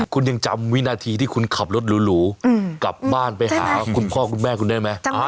คุณยังจำวินาทีที่คุณขับรถหรูกลับบ้านไปหาคุณพ่อคุณแม่คุณได้ไหม